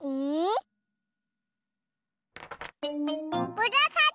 むらさき！